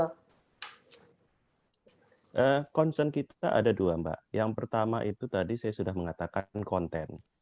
concern kita ada dua mbak yang pertama itu tadi saya sudah mengatakan konten